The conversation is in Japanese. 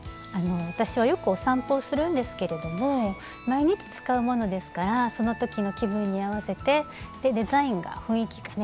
私はよくお散歩をするんですけれども毎日使うものですからその時の気分に合わせてデザインが雰囲気がね